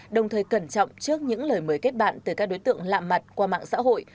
đồng thời cẩn trọng trước những lời mời kết bạn từ các đối tượng lạ mặt qua mạng xã hội